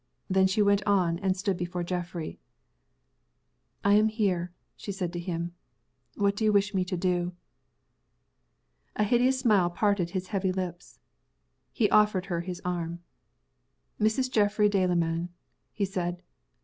Then she went on, and stood before Geoffrey. "I am here," she said to him. "What do you wish me to do?" A hideous smile parted his heavy lips. He offered her his arm. "Mrs. Geoffrey Delamayn," he said.